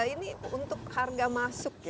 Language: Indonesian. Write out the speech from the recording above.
ini untuk harga masuk